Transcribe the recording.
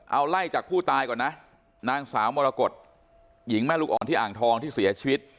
เอาไล่จากผู้ตายก่อนนะนางสาวมรกฏหญิงแม่ลูกอ่อนที่อ่างทองที่เสียชีวิต